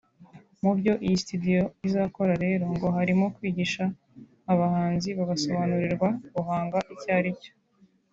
Mu byo iyi sitidiyo izakora reo ngo harimo kwigisha abahanzi bagasobanurirwa guhanga icyo ari cyo